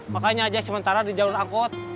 makanya aja sementara di jalur angkot